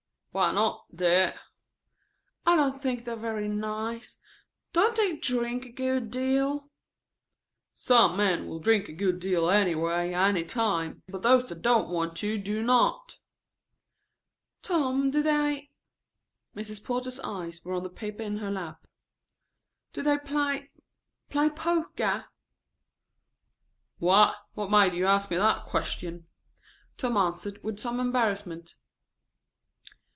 "Why not, dear?" "I don't think they are very nice. Don't they drink a good deal?" "Some men will drink a good deal any way any time, but those that don't want to do not." "Tom, do they" Mrs. Porter's eyes were on the paper in her lap "do they play play poker?" "Why what made you ask me that question?" Tom answered with some embarrassment.